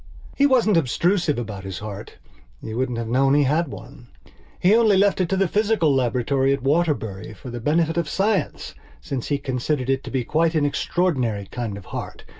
He wasn't obtrusive about his heart. You wouldn't have known he had one. He only left it to the physical laboratory at Waterbury for the benefit of science, since he considered it to be quite an extraordinary kind of heart.